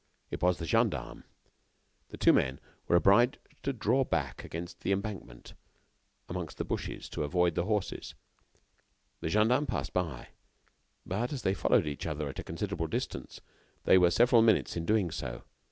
It was the gendarmes. The two men were obliged to draw back against the embankment, amongst the brushes, to avoid the horses. The gendarmes passed by, but, as they followed each other at a considerable distance, they were several minutes in doing so.